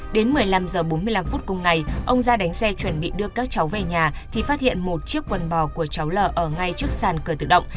đến một mươi năm h bốn mươi năm cùng ngày ông ra đánh xe chuẩn bị đưa các cháu về nhà thì phát hiện một chiếc quần bò của cháu lở ở ngay trước sàn cửa tự động